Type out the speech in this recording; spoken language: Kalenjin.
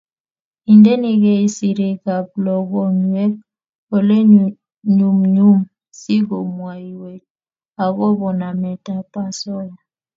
Indenigei sirik ab logoywek olenyumnyum si komwaiwech akobo namet ab asoya